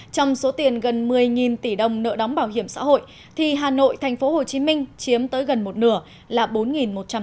trong số tiền gần một mươi tỷ đồng nợ đóng bảo hiểm xã hội thì hà nội tp hcm chiếm tới gần một nửa là bốn một trăm linh